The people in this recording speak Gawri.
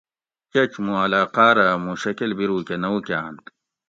چچ موں علاقاۤ رہ مُوں شکل بیروکہ نہ اُوکاۤنت